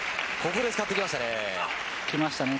ここで使ってきましたね。